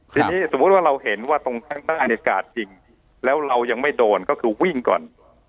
ทีนี้สมมุติว่าเราเห็นว่าตรงข้างอายการจริงแล้วเรายังไม่โดนก็คือวิ่งก่อน